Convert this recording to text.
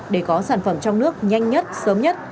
để có sản phẩm trong nước nhanh nhất sớm nhất